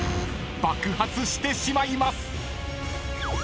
［爆発してしまいます］